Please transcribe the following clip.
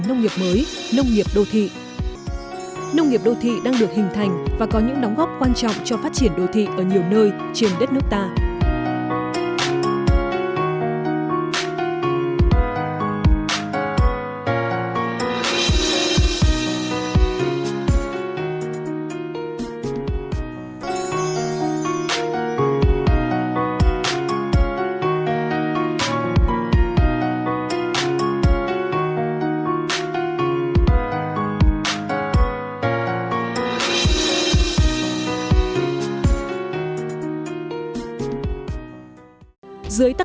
nông nghiệp đô thị đang được hình thành và có những đóng góp quan trọng cho phát triển đô thị ở nhiều nơi trên đất nước ta